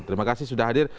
terima kasih sudah hadir